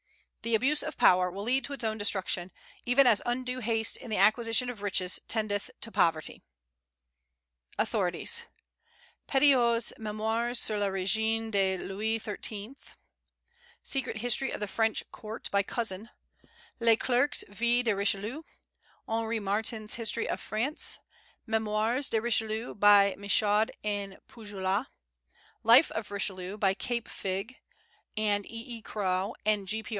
The abuse of power will lead to its own destruction, even as undue haste in the acquisition of riches tendeth to poverty. AUTHORITIES. Petitot's Mémoires sur le Règne de Louis XIII.; Secret History of the French Court, by Cousin; Le Clerc's Vie de Richelieu; Henri Martin's History of France; Mémoires de Richelieu, by Michaud and Poujoulat; Life of Richelieu, by Capefigue, and E.E. Crowe, and G.P.